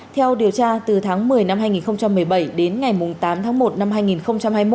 theo điều tra từ tháng một mươi năm hai nghìn một mươi bảy đến ngày tám tháng một năm hai nghìn hai mươi một